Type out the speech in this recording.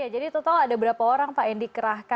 jadi total ada berapa orang pak